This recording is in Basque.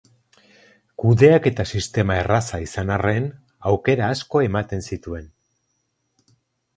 Kudeaketa sistema erraza izan arren, aukera asko ematen zituen.